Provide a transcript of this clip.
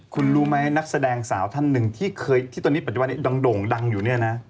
คุณรู้ไหมนักแสดงสาวท่านหนึ่งที่ตอนนี้ปัจจุบันดงดังอยู่